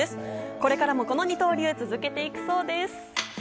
これからもこの二刀流続けていくそうです。